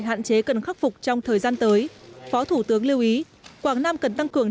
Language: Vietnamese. hạn chế cần khắc phục trong thời gian tới phó thủ tướng lưu ý quảng nam cần tăng cường